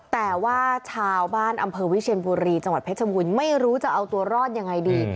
แต่ว่าชาวบ้านอำเภอวิเชียนบุรีจังหวัดเพชรบูรณ์ไม่รู้จะเอาตัวรอดยังไงดี